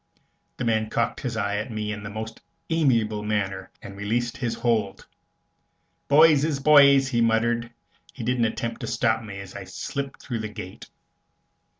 The man cocked his eye at me in the most amiable manner, and released his hold. "Boys is boys," he muttered. He didn't attempt to stop me as I slipped through the gate.